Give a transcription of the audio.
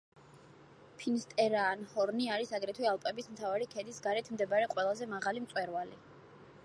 ფინსტერაარჰორნი არის აგრეთვე ალპების მთავარი ქედის გარეთ მდებარე ყველაზე მაღალი მწვერვალი.